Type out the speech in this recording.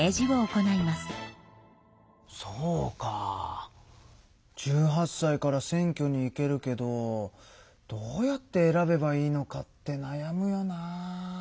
１８さいから選挙に行けるけどどうやって選べばいいのかってなやむよな。